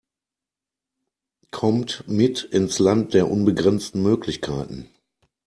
Kommt mit ins Land der unbegrenzten Möglichkeiten!